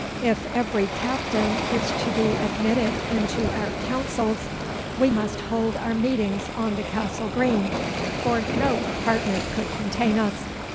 If every captain is to be admitted into our councils, we must hold our meetings on the Castle Green, for no apartment could contain us.